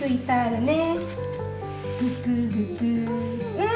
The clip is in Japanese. うん！